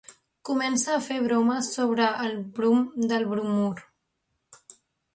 Comença a fer bromes sobre el brom del bromur.